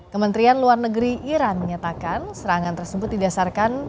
kementerian luar negeri iran menyatakan serangan tersebut didasarkan